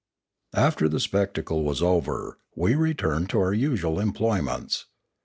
After the spectacle was over, we returned to our usual employments.